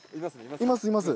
いますいます！